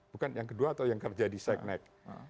bukan yang kedua atau yang kerja di seknek